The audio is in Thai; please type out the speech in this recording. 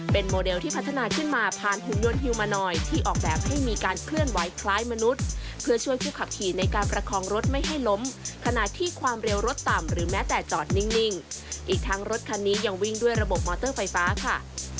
เป็นโมเดลที่พัฒนาขึ้นมาผ่านหุ่นยนฮิลมานอยที่ออกแบบให้มีการเคลื่อนไหวคล้ายมนุษย์เพื่อช่วยผู้ขับขี่ในการประคองรถไม่ให้ล้มขณะที่ความเร็วรถต่ำหรือแม้แต่จอดนิ่งอีกทั้งรถคันนี้ยังวิ่งด้วยระบบมอเตอร์ไฟฟ้าค่ะ